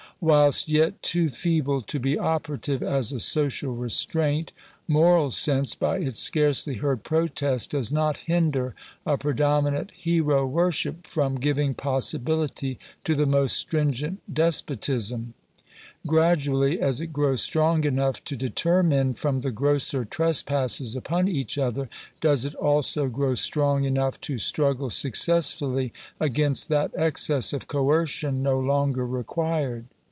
Whilst yet too feeble to . be operative as a social restraint, moral sense, by its scarcely ' heard protest, does not hinder a predominant hero worship from* giving possibility to the most stringent despotism. Gradually, \ as it grows strong enough to deter men from the grosser tres [, passes upon each other, does it also grow strong enough to 1 Digitized by VjOOQIC 428 GENERAL CONSIDERATIONS. I struggle successfully against that excess of coercion no longer required.